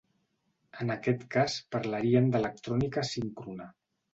En aquest cas parlarien d'electrònica asíncrona.